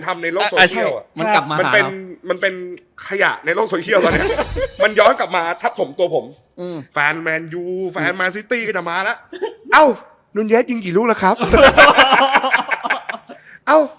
ตอนนี้ภาพตรัสตัดกลับมา